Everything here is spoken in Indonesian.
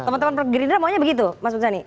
teman teman gerindra maunya begitu mas muzani